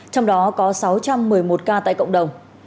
trong đó có sáu trăm một mươi một ca tại cộng đồng